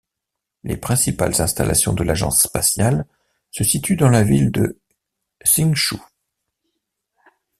Les principales installations de l'agence spatiale se situent dans la ville de Hsinchu.